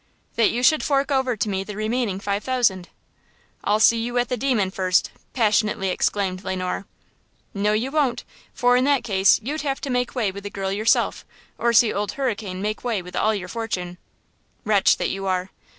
"That you should fork over to me the remaining five thousand." "I'll see you at the demon first," passionately exclaimed Le Noir. "No, you won't, for in that case you'd have to make way with the girl yourself, or see Old Hurricane make way with all your fortune." "Wretch that you are!"